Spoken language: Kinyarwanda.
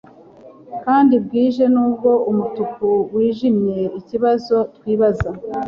Kandi bwije nubwo umutuku wijimye ikibazo twibaza